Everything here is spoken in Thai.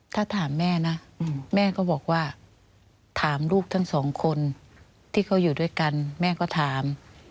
ถ้าถามแม่นะแม่ก็บอกว่าถามลูกทั้งสองคนที่เขาอยู่ด้วยกันแม่ก็ถาม